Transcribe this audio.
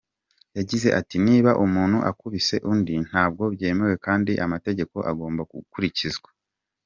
Yagize ati “Niba umuntu akubise undi, ntabwo byemewe kandi amategeko agomba gukurikizwa.